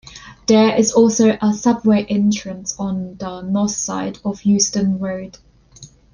There is also a subway entrance on the north side of Euston Road.